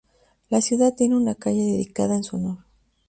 La ciudad tiene una calle dedicada en su honor.